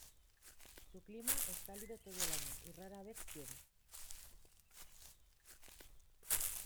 Su clima es cálido todo el año y rara vez llueve.